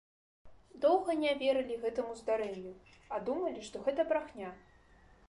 Доўга не верылі гэтаму здарэнню, а думалі, што гэта брахня.